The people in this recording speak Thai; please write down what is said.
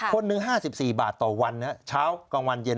คนหนึ่ง๕๔บาทต่อวันเช้ากลางวันเย็น